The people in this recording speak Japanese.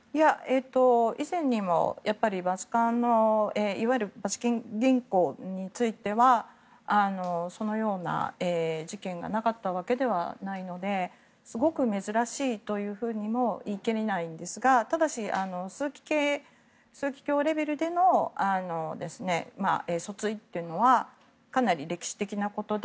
以前にもバチカンのいわゆるバチカン銀行についてはそのような事件がなかったわけではないのですごく珍しいというふうにも言い切れないんですがただし、枢機卿レベルでの訴追というのはかなり歴史的なことで。